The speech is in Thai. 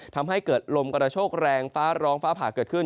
ทำให้เกิดลมกระโชคแรงฟ้าร้องฟ้าผ่าเกิดขึ้น